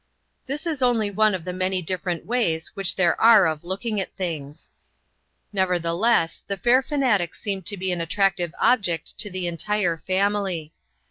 This is only one of the many different 164 INTERRUPTED. ways which there are of looking at things. Nevertheless the fair fanatic seemed to be an attractive object to the entire family.